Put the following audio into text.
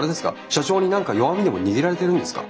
社長に何か弱みでも握られてるんですか？